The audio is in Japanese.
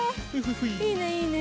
いいねいいね。